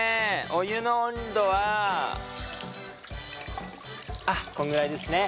お湯の温度はあっこんぐらいですね。